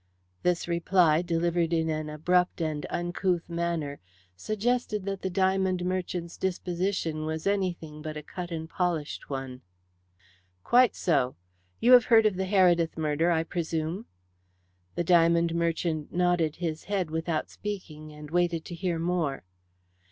This reply, delivered in an abrupt and uncouth manner, suggested that the diamond merchant's disposition was anything but a cut and polished one. "Quite so. You have heard of the Heredith murder, I presume." The diamond merchant nodded his head without speaking, and waited to hear more.